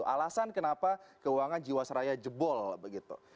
alasan kenapa keuangan jiwasraya jebol begitu